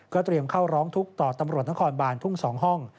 เตรียมเข้าร้องทุกข์ต่อตำรวจนครบานทุ่ง๒ห้อง